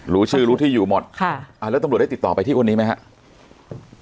รู้ชื่อรู้ที่อยู่หมดค่ะอ่าแล้วตำรวจได้ติดต่อไปที่คนนี้ไหมครับ